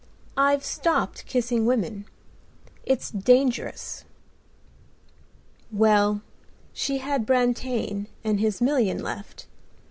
I've stopped kissing women; it's dangerous." Well, she had Brantain and his million left.